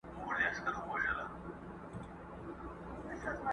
شپې به سوځي په پانوس کي په محفل کي به سبا سي!!